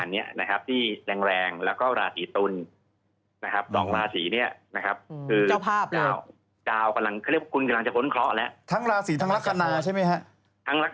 เจ้ากำลังเขาเรียกว่าคุณกำลังจะพ้นเคราะห์แล้วทั้งราศีทั้งลักษณะใช่มั้ยฮะ